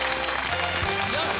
やった！